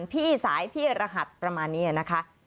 พี่สายพี่รหัสประมาณนี้นะคะ